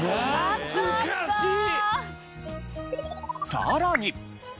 さらに。